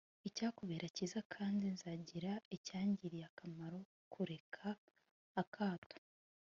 icyakubera cyiza kandi nzagira icyangiriye akamaro. kureka akato